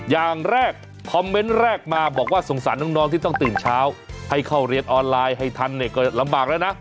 อย่างแรกคอมเมนต์แรกมาบอกว่าสงสารน้องที่ต้องตื่นเช้าให้เข้าเรียนออนไลน์ให้ทันเนี่ยก็ลำบากแล้วนะ